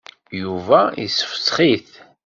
Yuba yessefsex-it.